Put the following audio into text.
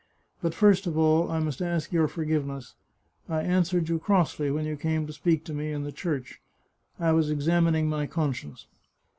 " But, first of all, I must ask your forgiveness; I answered you crossly when you came to speak to me in the church. I was examining my conscience.